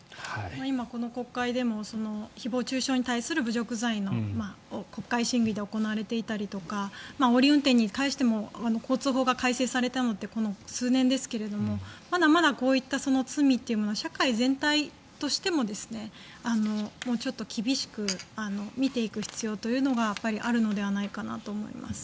今、この国会でも誹謗・中傷に対する侮辱罪が国会審議で行われていたりとかあおり運転に対しても交通法が改正されたのってこの数年ですがまだまだこういった罪というものは社会全体としてももうちょっと厳しく見ていく必要というのがあるのではないかなと思います。